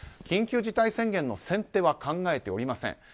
緊急事態宣言の先手は考えておりません。